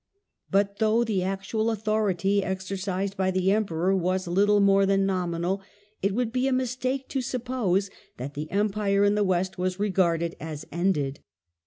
But though the actual authority exercised by the Emperor was little more than nominal, it would be a mistake to suppose that the Empire in the West was regarded as ended.